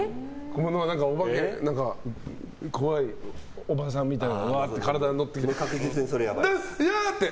お化けが怖いおばさんみたいなのが体に乗っかってきて。